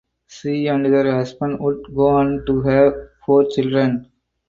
She and her husband would go on to have four children.